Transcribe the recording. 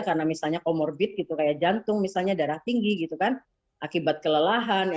karena misalnya comorbid gitu kayak jantung misalnya darah tinggi gitu kan akibat kelelahan ya